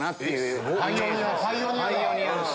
パイオニアだ！